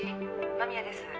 間宮です。